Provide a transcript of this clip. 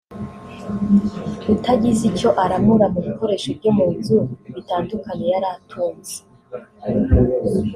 utagize icyo aramura mu bikoresho byo mu nzu bitandukanye yari atunze